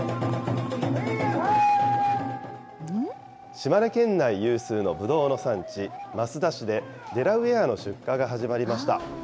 島根県内有数のぶどうの産地、益田市で、デラウエアの出荷が始まりました。